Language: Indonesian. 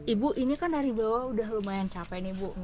ibu ini kan dari bawah udah lumayan capek nih bu